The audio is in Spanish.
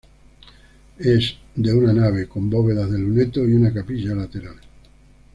Es de una nave, con bóvedas de lunetos y una capilla lateral.